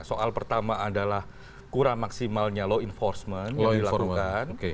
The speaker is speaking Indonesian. soal pertama adalah kurang maksimalnya law enforcement yang dilakukan